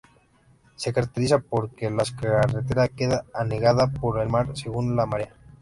Se caracteriza porque la carretera queda anegada por el mar según la marea.